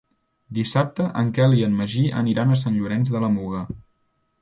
Dissabte en Quel i en Magí aniran a Sant Llorenç de la Muga.